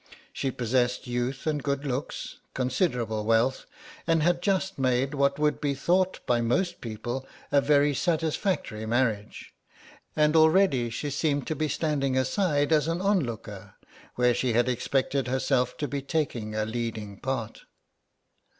She possessed youth and good looks, considerable wealth, and had just made what would be thought by most people a very satisfactory marriage. And already she seemed to be standing aside as an onlooker where she had expected herself to be taking a leading part.